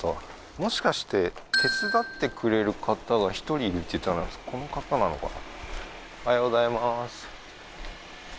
もしかして手伝ってくれる方が１人いるって言ってたのはこの方なのかな？